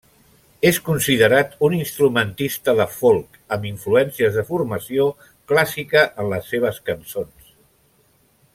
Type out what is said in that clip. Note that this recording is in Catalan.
És considerat un instrumentista de folk, amb influències de formació clàssica en les seves cançons.